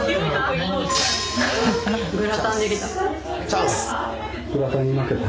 チャンス！